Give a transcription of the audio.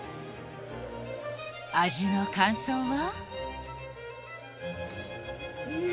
味の感想は？